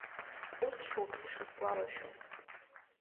Усшәоуп ишысгәалашәо.